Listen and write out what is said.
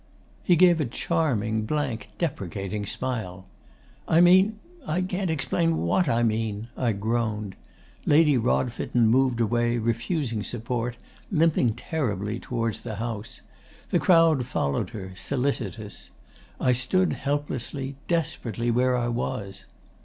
He gave a charming, blank, deprecating smile. "I mean I can't explain what I mean," I groaned. Lady Rodfitten moved away, refusing support, limping terribly, towards the house. The crowd followed her, solicitous. I stood helplessly, desperately, where I was.